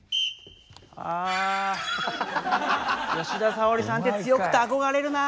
あ吉田沙保里さんって強くて憧れるな。